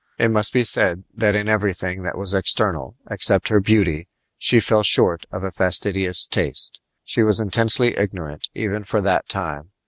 It must be said that in everything that was external, except her beauty, she fell short of a fastidious taste. She was intensely ignorant even for that time.